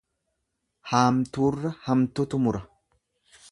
Haamtuurra hamtutu mura.